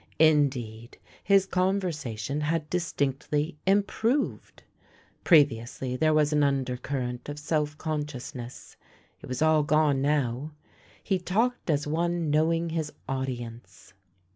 In deed, his conversation had distinctly improved. Pre viously there was an undercurrent of self conscious ness ; it was all gone now. He talked as one knowing his audience.